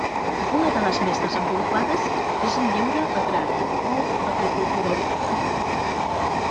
Una de les més desenvolupades és el lleure agrari, o agricultura urbana.